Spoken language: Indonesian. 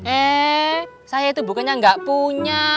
ee saya itu bukannya gak punya